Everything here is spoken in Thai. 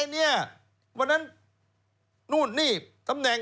คือคนคนนี้มักจะเคยมีตำแหน่ง